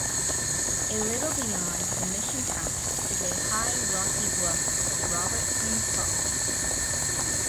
A little beyond the Mission House is a high rocky bluff called Robertson's Folly.